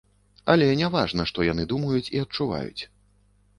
Але не важна, што яны думаюць і адчуваюць.